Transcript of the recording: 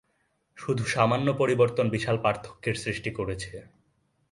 শুধু সামান্য পরিবর্তন বিরাট পার্থক্যের সৃষ্টি করেছে।